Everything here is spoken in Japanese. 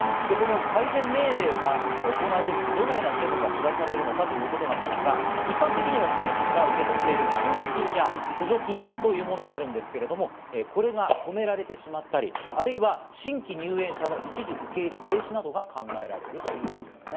この改善命令が行われると、どのような処分が下されるのかということですが、一般的には施設が受け取っている給付金や補助金というものがあるんですが、それが止められてしまったり、あるいは新規入園者の一時受け入れ停止などが考えられるということですね。